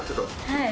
はい。